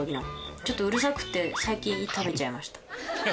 ちょっとうるさくて最近食べちゃいました。